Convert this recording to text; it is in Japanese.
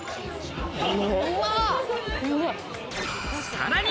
さらに。